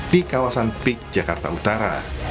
di kawasan pik jakarta utara